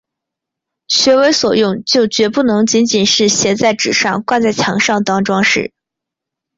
学为所用就决不能仅仅是写在纸上、挂在墙上当‘装饰’